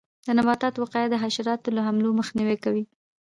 د نباتاتو وقایه د حشراتو له حملو مخنیوی کوي.